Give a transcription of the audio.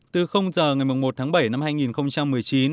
từ giờ ngày một mươi một tháng bảy năm hai nghìn một mươi chín